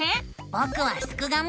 ぼくはすくがミ！